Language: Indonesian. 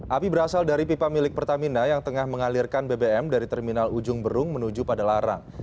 api berasal dari pipa milik pertamina yang tengah mengalirkan bbm dari terminal ujung berung menuju pada larang